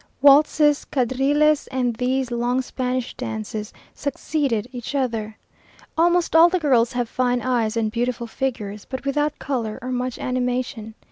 Waltzes, quadrilles, and these long Spanish dances, succeeded each other. Almost all the girls have fine eyes and beautiful figures, but without colour, or much animation.